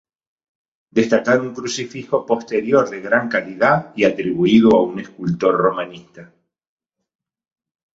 Destacar un Crucifijo posterior de gran calidad y atribuido a un escultor romanista.